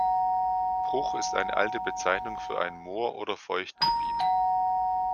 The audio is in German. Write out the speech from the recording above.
Bruch ist eine alte Bezeichnung für ein Moor oder Feuchtgebiet.